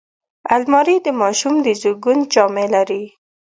الماري د ماشوم د زیږون جامې لري